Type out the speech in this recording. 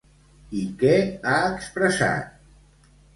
I què ha expressat?